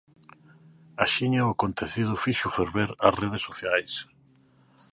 Axiña o acontecido fixo ferver as redes sociais.